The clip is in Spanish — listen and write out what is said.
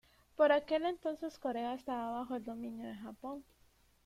Por aquel entonces Corea estaba bajo el dominio de Japón.